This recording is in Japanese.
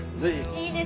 いいですね！